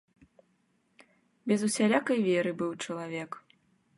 Без усялякай веры быў чалавек.